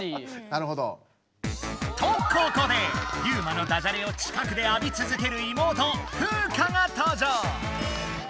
なるほど。とここでユウマのダジャレを近くであびつづける妹フウカがとう場！